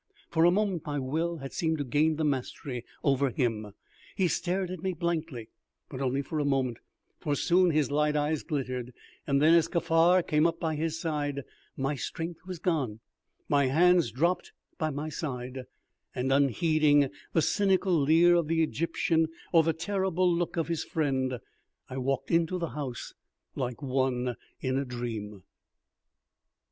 For a moment my will had seemed to gain the mastery over him. He stared at me blankly, but only for a moment, for soon his light eyes glittered; and then, as Kaffar came up by his side, my strength was gone, my hands dropped by my side, and unheeding the cynical leer of the Egyptian, or the terrible look of his friend, I walked into the house like one in a dream.